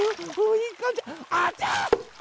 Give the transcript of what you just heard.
いいかんじあちっ！